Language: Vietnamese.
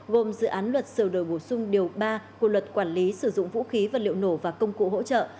gồm dự án luật sửa đổi bổ sung điều ba của luật quản lý sử dụng vũ khí vật liệu nổ và công cụ hỗ trợ